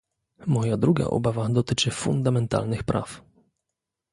Moja druga obawa dotyczy fundamentalnych praw